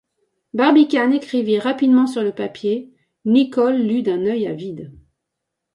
Barbicane écrivit rapidement sur le papier: Nicholl lut d’un œil avide.